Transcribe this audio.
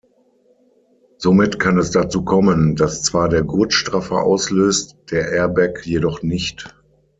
Somit kann es dazu kommen, dass zwar der Gurtstraffer auslöst, der Airbag jedoch nicht.